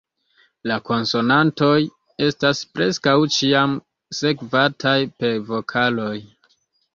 La konsonantoj estas preskaŭ ĉiam sekvataj per vokaloj.